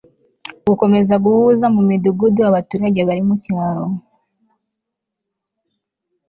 gukomeza guhuza mu midugudu abaturage bari mu cyaro